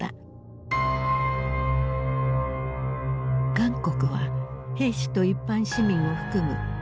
韓国は兵士と一般市民を含む１３０万人